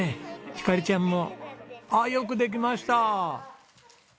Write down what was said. ひかりちゃんもよくできました！